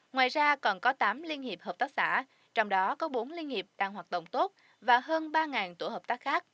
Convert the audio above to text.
ngoài ra còn có tám liên hiệp hợp tác xã trong đó có bốn liên nghiệp đang hoạt động tốt và hơn ba tổ hợp tác khác